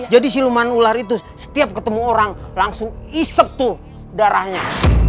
jadi siruman ular itu setiap ketemu orang langsung isep tuh darahnya